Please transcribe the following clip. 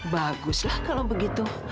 baguslah kalau begitu